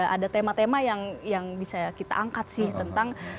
ada tema tema yang bisa kita angkat sih tentang